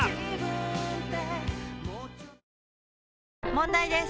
問題です！